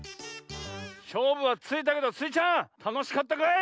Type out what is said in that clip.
しょうぶはついたけどスイちゃんたのしかったかい？